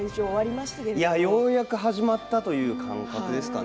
ようやく始まったという感じですね。